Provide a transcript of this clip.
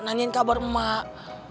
nanyain kabar mak